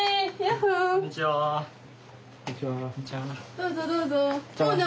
どうぞどうぞ。